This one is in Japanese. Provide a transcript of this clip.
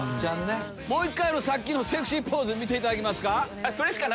もう１回さっきのセクシーポーズ見ていただきますか？